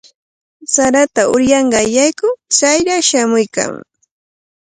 Sarata uryanqaarayku chayraq shamuykaamuu.